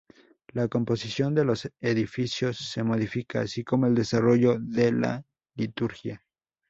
La composición de los edificios se modifica, así como el desarrollo de la liturgia.